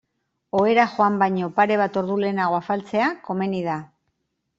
Ohera joan baino pare bat ordu lehenago afaltzea komeni da.